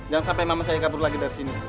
jangan sampai mama saya kabur lagi dari sini